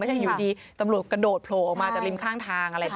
จะอยู่ดีตำรวจกระโดดโผล่ออกมาจากริมข้างทางอะไรแบบนี้